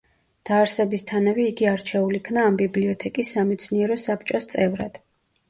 დაარსებისთანავე იგი არჩეულ იქნა ამ ბიბლიოთეკის სამეცნიერო საბჭოს წევრად.